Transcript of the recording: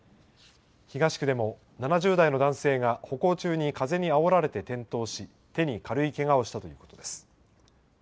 東区でも７０代の男性が歩行中に風にあおられて転倒し、手に軽いけがをしたということです。